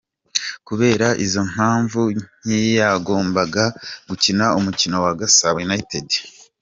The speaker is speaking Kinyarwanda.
Kubera izo mpamvu, ntiyagombaga gukina umukino wa Gasabo United.